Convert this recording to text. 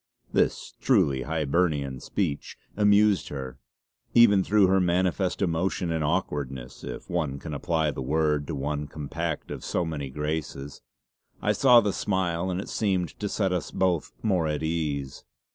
This truly Hibernian speech amused her, even through her manifest emotion and awkwardness, if one can apply the word to one compact of so many graces. I saw the smile, and it seemed to set us both more at ease.